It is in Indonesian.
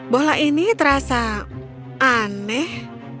bola ini terasa aneh